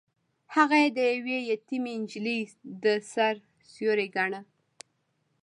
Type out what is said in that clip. هغه يې د يوې يتيمې نجلۍ د سر سيوری ګاڼه.